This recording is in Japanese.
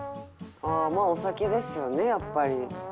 まあお酒ですよねやっぱり。